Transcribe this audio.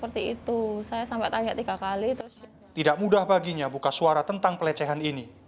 tidak mudah baginya buka suara tentang pelecehan ini